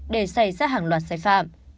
để xảy ra hàng loạt sai phạm